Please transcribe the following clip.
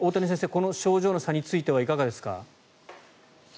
この症状の差についてはいかがですか？